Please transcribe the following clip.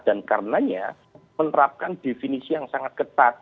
dan karenanya menerapkan definisi yang sangat ketat